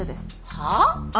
はあ？